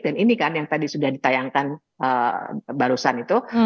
ini kan yang tadi sudah ditayangkan barusan itu